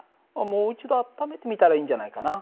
もう一度温めてみたらいいんじゃないかな。